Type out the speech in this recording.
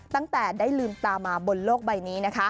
ตั้งแต่ได้ลืมตามาบนโลกใบนี้นะคะ